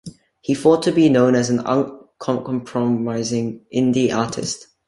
He fought to be known as an uncompromising indie artist.